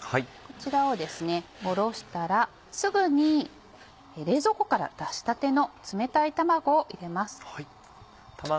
こちらを下ろしたらすぐに冷蔵庫から出したての冷たい卵を入れます。